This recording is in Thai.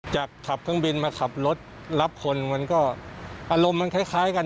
ขับเครื่องบินมาขับรถรับคนมันก็อารมณ์มันคล้ายกัน